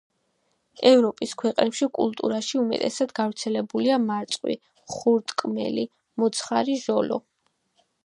ევროპის ქვეყნებში კულტურაში უმეტესად გავრცელებულია მარწყვი, ხურტკმელი, მოცხარი, ჟოლო.